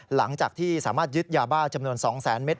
หลังจากที่สามารถยึดยาบ้าจำนวน๒แสนเมตร